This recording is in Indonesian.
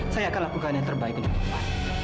saya akan lakukan yang terbaik untukmu ya